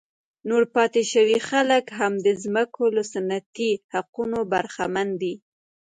نور پاتې شوي خلک هم د ځمکو له سنتي حقونو برخمن دي.